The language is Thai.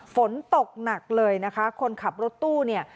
ฝนตกหนักเลยนะคะคนขับรถตู้เนี่ย